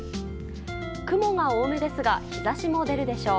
雲が多めですが日差しも出るでしょう。